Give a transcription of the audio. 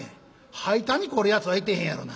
歯痛に凝るやつはいてへんやろな。